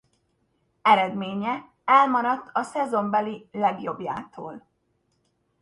Eredménye elmaradt a szezonbeli legjobbjától.